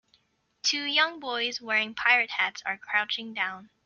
Two young boys wearing pirate hats are crouching down.